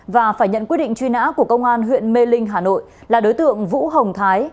và phải nhận quyết định truy nã của công an huyện mê linh hà nội là đối tượng vũ hồng thái